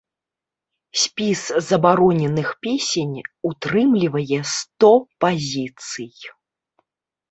Спіс забароненых песень утрымлівае сто пазіцый.